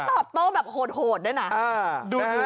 ตอบโต้แบบโหดด้วยนะ